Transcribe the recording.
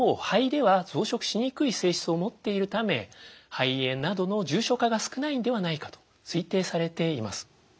肺では増殖しにくい性質を持っているため肺炎などの重症化が少ないんではないかと推定されています。